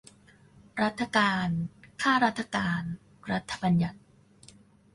รัฐการ ข้ารัฐการ รัฐบัญญัติ